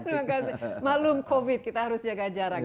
terima kasih maklum covid kita harus jaga jarak